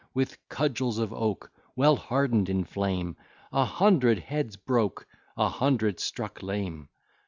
With cudgels of oak, Well harden'd in flame, A hundred heads broke, A hundred struck lame.